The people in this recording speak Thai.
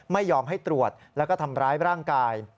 ไม่ยอมให้ตรวจแล้วก็ทำร้ายร่างกาย